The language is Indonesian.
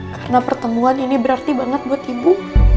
karena pertemuan ini berarti banget buat ibu